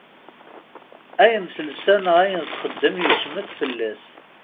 Ayen telsa neɣ ayen texdem yecmet fell-as.